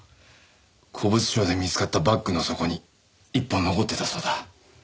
古物商で見つかったバッグの底に１本残ってたそうだ。